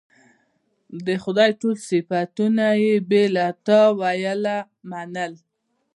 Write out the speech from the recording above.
د خدای ټول صفتونه یې بې له تأویله منل.